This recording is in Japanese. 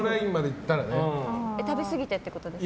食べすぎてってことですか？